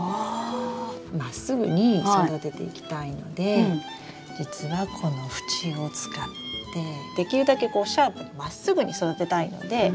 まっすぐに育てていきたいので実はこの縁を使ってできるだけシャープにまっすぐに育てたいので。